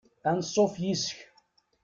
Anṣuf yes-k.